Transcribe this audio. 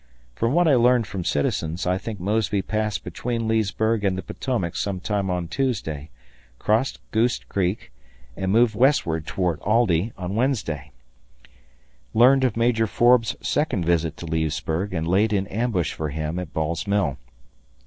From what I learned from citizens, I think Mosby passed between Leesburg and the Potomac some time on Tuesday, crossed Goose Creek, and moved westward toward Aldie on Wednesday; learned of Major Forbes' second visit to Leesburg, and laid in ambush for him at Ball's Mill.